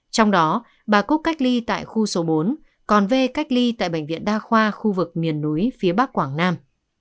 trong đó bà cúc cách ly tại khu số bốn còn về cách ly tại bệnh viện đa khoa khu vực miền núi phía bắc quảng nam